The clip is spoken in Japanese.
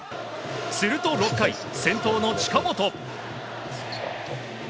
すると６回、先頭の近本。